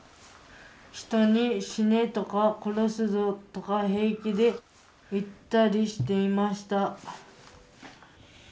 人に『死ね』とか『殺すぞ』とかへいきで言ったりしていました」。